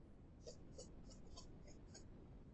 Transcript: چې ناڅاپه دجبارکاکا سترګې په چارپايي ولګېدې.